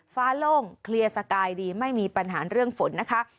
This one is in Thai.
โล่งเคลียร์สกายดีไม่มีปัญหาเรื่องฝนนะคะ